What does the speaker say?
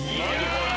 これ。